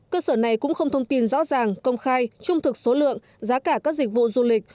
cơ sở này cũng không thông tin rõ ràng công khai trung thực số lượng giá cả các dịch vụ du lịch